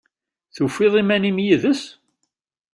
Tufiḍ iman-im yid-s?